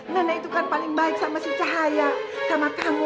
nenek itu kan paling baik sama si cahaya sama kamu